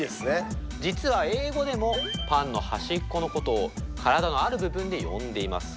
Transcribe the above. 実は英語でもパンの端っこのことを体のある部分で呼んでいます。